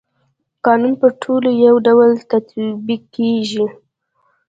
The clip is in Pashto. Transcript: قانون پر ټولو يو ډول تطبيق کيږي.